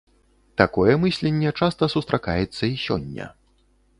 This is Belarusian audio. Такое мысленне часта сустракаецца і сёння.